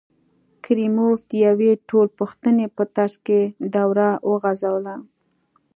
کریموف د یوې ټولپوښتنې په ترڅ کې دوره وغځوله.